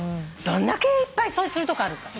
どんだけいっぱい掃除するとこあるか。